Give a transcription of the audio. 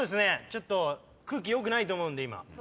ちょっと空気良くないと思うんで今。